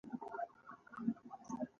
هیلۍ د شنو فصلونو خوښه ده